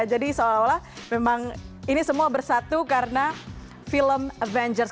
jadi seolah olah memang ini semua bersatu karena film avengers